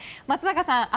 松坂さん